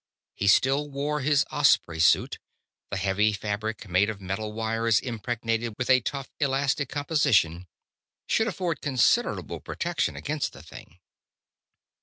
He still wore his Osprey suit. The heavy fabric, made of metal wires impregnated with a tough, elastic composition, should afford considerable protection against the thing.